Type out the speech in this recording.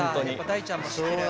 大ちゃんも知ってる。